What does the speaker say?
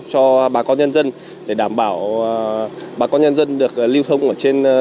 cho bà con nhân dân để đảm bảo bà con nhân dân được lưu thông ở trên